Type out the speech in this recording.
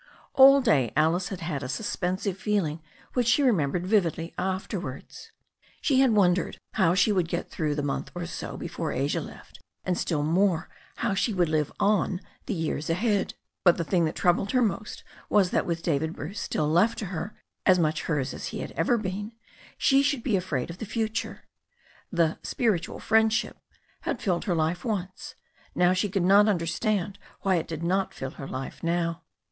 All day Alice had had a suspensive feeling which she remembered vividly afterwards. She had wondered how she would get through the month or so before Asia left, and still more how she would live on the years ahead. But the thing that troubled her most was that with David Bruce still left to her, as much hers as he had ev^t V^^^c^^ 397 398 THE STORY OP A NEW ZEALAND RIVEK she should be afraid of the future. The ''spiritual friend ship" had filled her life once. She could not understand why it did not fill her life now.